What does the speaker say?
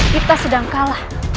kita sedang kalah